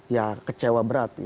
ya kecewa berat